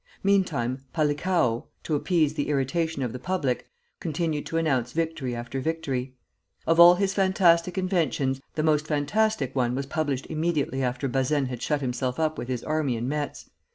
Meantime Palikao, to appease the irritation of the public, continued to announce victory after victory. Of all his fantastic inventions, the most fantastic was one published immediately after Bazaine had shut himself up with his army in Metz.